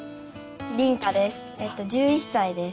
凛花です。